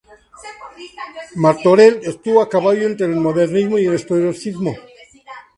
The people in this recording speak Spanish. Martorell estuvo a caballo entre el modernismo y el historicismo.